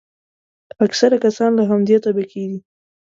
اکثره کسان له همدې طبقې دي.